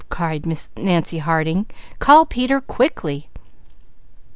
cried Nancy Harding. "Call Peter quickly!"